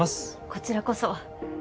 こちらこそ。